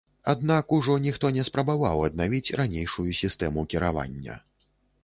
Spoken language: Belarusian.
Аднак ужо ніхто не спрабаваў аднавіць ранейшую сістэму кіравання.